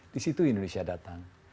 di situ indonesia datang